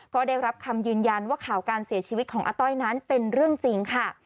ก็ได้รับคำยืนยันว่าข่าวการเสียชีวิตของอาต้อยนั้นเป็นเรื่องจริงค่ะ